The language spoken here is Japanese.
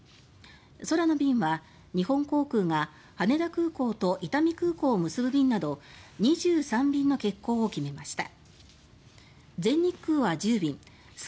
空の便は、日本航空が羽田空港と伊丹空港を結ぶ便など２３便の欠航を決めました。